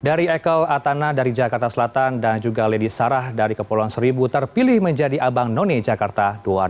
dari ekel atana dari jakarta selatan dan juga lady sarah dari kepulauan seribu terpilih menjadi abang none jakarta dua ribu dua puluh